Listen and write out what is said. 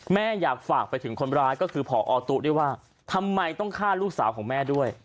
แม่อยากฝากไปถึงคนร้ายก็คือผอตุ๊ด้วยว่าทำไมต้องฆ่าลูกสาวของแม่ด้วย